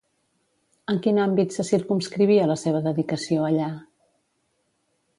En quin àmbit se circumscrivia la seva dedicació allà?